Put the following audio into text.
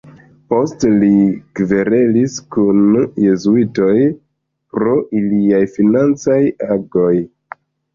Poste li kverelis kun jezuitoj pro iliaj financaj agoj.